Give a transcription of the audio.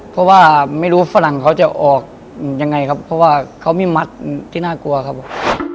เพราะว่าไม่รู้ฝรั่งเขาจะออกยังไงครับเพราะว่าเขามีมัดที่น่ากลัวครับผม